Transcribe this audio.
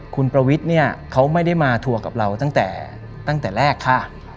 คุณประวิทย์เนี่ยเขาไม่ได้มาทัวร์กับเราตั้งแต่ตั้งแต่แรกค่ะ